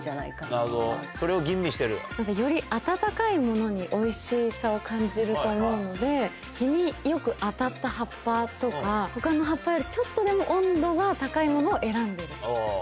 なるほど、それを吟味していより温かいものにおいしさを感じると思うので、日によく当たった葉っぱとか、ほかの葉っぱよりちょっとでも温度が高いものを選んでる。